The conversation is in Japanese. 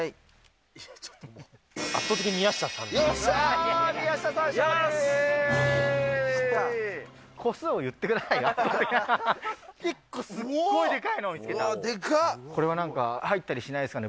圧倒的に宮下さんですね。